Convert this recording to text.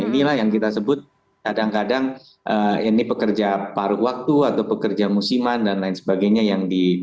inilah yang kita sebut kadang kadang ini pekerja paruh waktu atau pekerja musiman dan lain sebagainya yang di